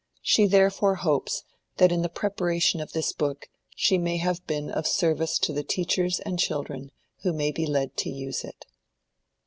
She therefore hopes that in the preparation of this book she may have been of service to the teachers and children who may be led to use it.